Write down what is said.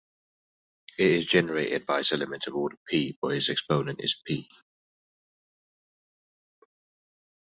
It is generated by its elements of order "p", but its exponent is "p".